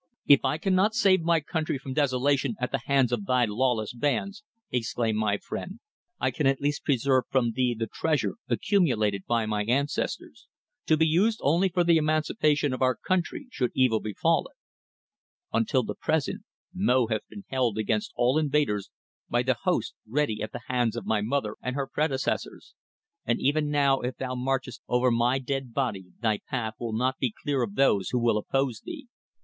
"If I cannot save my country from desolation at the hands of thy lawless bands," exclaimed my friend, "I can at least preserve from thee the treasure accumulated by my ancestors to be used only for the emancipation of our country should evil befall it. Until the present, Mo hath been held against all invaders by the hosts ready at the hands of my mother and her predecessors, and even now if thou marchest over my dead body thy path will not be clear of those who will oppose thee.